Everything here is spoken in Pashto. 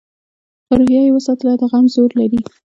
خو روحیه یې وساتله؛ د غم زور لري.